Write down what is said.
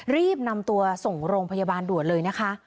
รีบนำตัวส่งโรงพยาบาลด่วนเลยนะคะ